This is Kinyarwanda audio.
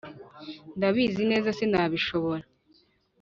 ndabizi neza sinabishobora